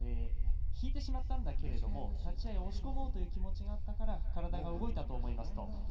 引いてしまったんだけど立ち合い押し込もうという気持ちがあったから体が動いたと思います。